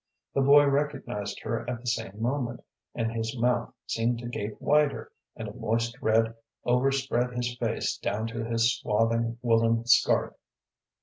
The boy recognized her at the same moment, and his mouth seemed to gape wider, and a moist red overspread his face down to his swathing woollen scarf.